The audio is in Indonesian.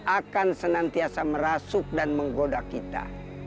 akan senantiasa merasuk dan menggoda kita